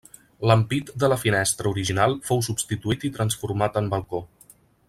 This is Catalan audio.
L'ampit de la finestra original fou substituït i transformat en balcó.